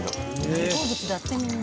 大好物だってみんな。